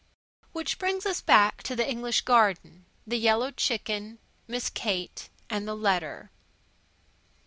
Which brings us back to the English garden, the yellow chicken, Miss Kate, and the letter.